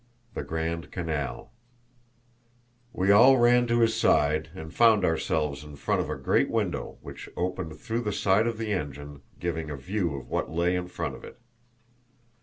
The Grand Canal. We all ran to his side and found ourselves in front of a great window which opened through the side of the engine, giving a view of what lay in front of it.